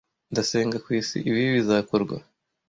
Ndasenga kwisi ibi bizakorwa